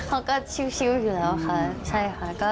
เขาก็ชิวอยู่แล้วค่ะใช่ค่ะ